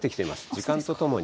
時間とともに。